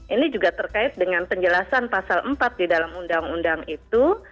ini juga terkait dengan penjelasan pasal empat di dalam undang undang itu